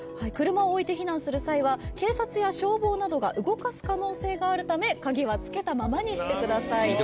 車を置いて避難する際は警察や消防などが動かす可能性があるため鍵は付けたままにしてください。